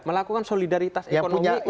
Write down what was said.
melakukan solidaritas ekonomi